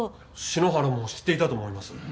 篠原も知っていたと思いますよ。